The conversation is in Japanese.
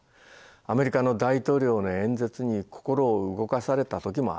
アメリカの大統領の演説に心を動かされた時もありました。